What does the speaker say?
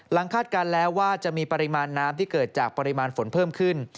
คาดการณ์แล้วว่าจะมีปริมาณน้ำที่เกิดจากปริมาณฝนเพิ่มขึ้น